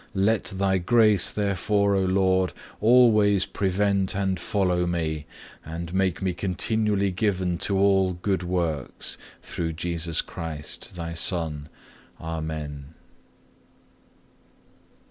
"Let Thy grace, therefore, O Lord, always prevent and follow me, and make me continually given to all good works, through Jesus Christ, Thy Son. Amen."